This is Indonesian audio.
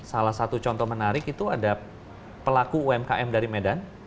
salah satu contoh menarik itu ada pelaku umkm dari medan